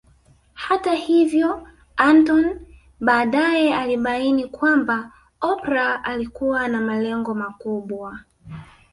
Hata hivyo Anthony baadae alibaini kwamba Oprah alikuwa na malengo makubwa